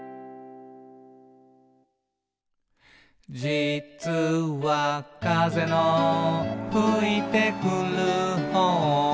「じつは、風のふいてくる方を」